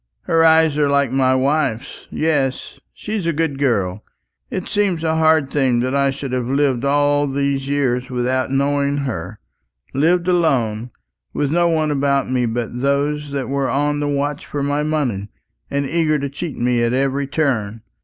Her eyes are like my wife's. Yes, she's a good girl. It seems a hard thing that I should have lived all these years without knowing her; lived alone, with no one about me but those that were on the watch for my money, and eager to cheat me at every turn.